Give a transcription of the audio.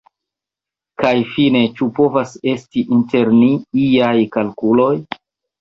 Kaj fine, ĉu povas esti inter ni iaj kalkuloj?